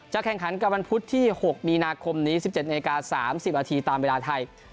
แข่งขันกับวันพุธที่๖มีนาคมนี้๑๗นาที๓๐นาทีตามเวลาไทย